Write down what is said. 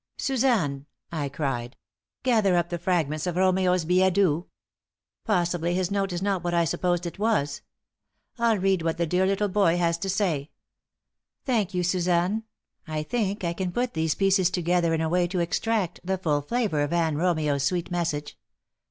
"Suzanne," I cried, "gather up the fragments of Romeo's billet doux. Possibly his note is not what I supposed it was. I'll read what the dear little boy has to say. Thank you, Suzanne. I think I can put these pieces together in a way to extract the full flavor of Van Romeo's sweet message.